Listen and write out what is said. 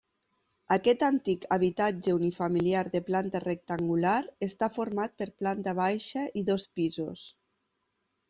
Aquest antic habitatge unifamiliar de planta rectangular està format per planta baixa i dos pisos.